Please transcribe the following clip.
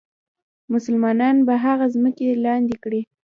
مسلمانان به هغه ځمکې لاندې کړي.